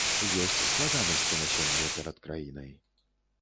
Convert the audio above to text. Ёсць складанасці на сёння перад краінай.